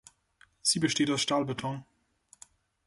Sie besteht aus Stahlbeton.